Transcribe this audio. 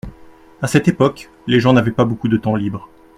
À cette époque, les gens n’avaient pas beaucoup de temps libre.